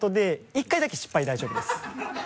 １回だけ失敗大丈夫です。